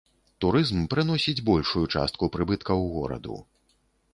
Турызм прыносіць большую частку прыбыткаў гораду.